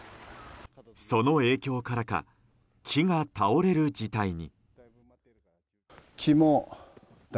その影響からか木が倒れる事態に。